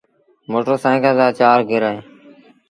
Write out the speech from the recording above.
موٽر سآئيٚڪل رآ چآر گير هوئين دآ۔